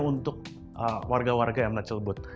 untuk warga warga emerald celebut